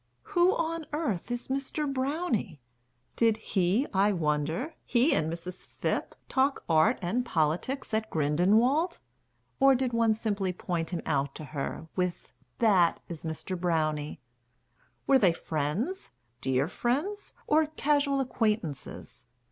Who on earth is Mr. Brownie? Did he, I wonder, he and Mrs. Phipp Talk Art and Politics at Grindelwald, Or did one simply point him out to her With "That is Mr. Brownie?" Were they friends, Dear friends, or casual acquaintances?